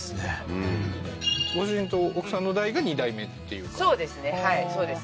うんご主人と奥さんの代が２代目っていうかそうですねはいそうです